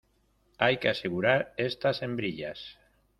hay que asegurar estas hembrillas.